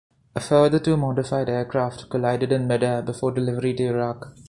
A further two modified aircraft collided in mid-air before delivery to Iraq.